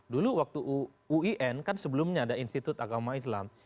dulu waktu uin kan sebelumnya ada institut agama islam